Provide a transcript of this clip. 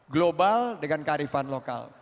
global dengan kearifan lokal